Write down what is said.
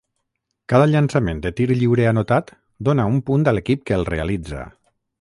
Cada llançament de tir lliure anotat dóna un punt a l'equip que el realitza.